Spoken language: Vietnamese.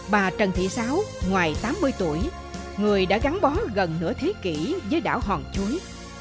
bà trần thị sáu ngoài tám mươi tuổi người đã gắn bó gần nửa thế kỷ với đảo hòn chuối